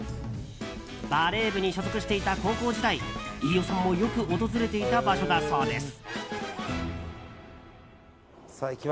バレー部に所属していた高校時代飯尾さんもよく訪れていた場所だそうです。